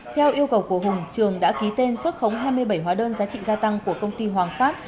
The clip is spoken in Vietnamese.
theo yêu cầu của hùng trường đã ký tên xuất khống hai mươi bảy hóa đơn giá trị gia tăng của công ty hoàng phát